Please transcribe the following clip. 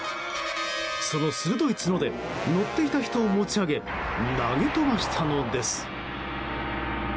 その鋭い角で乗っていた人を持ち上げ投げ飛ばしたのです。